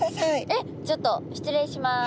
えっちょっと失礼します。